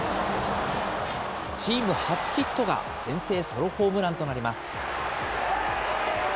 チーム初ヒットが先制ソロホームランとなります。